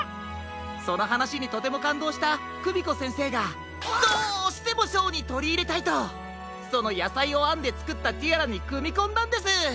そのはなしにとてもかんどうしたクミコせんせいがどうしてもショーにとりいれたいとそのやさいをあんでつくったティアラにくみこんだんです。